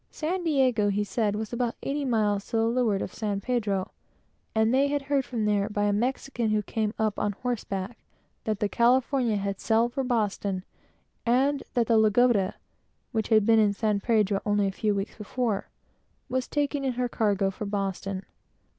San Diego, he said, was about eighty miles to the leeward of San Pedro; that they had heard from there, by a Mexican who came up on horseback, that the California had sailed for Boston, and that the Lagoda, which had been in San Pedro only a few weeks before, was taking in her cargo for Boston.